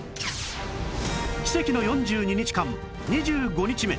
奇跡の４２日間２５日目